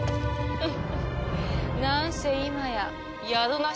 フッ！